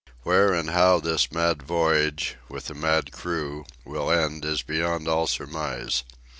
Where and how this mad voyage, with a mad crew, will end is beyond all surmise.